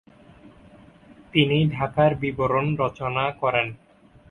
তিনি 'ঢাকার বিবরণ' রচনা করেন।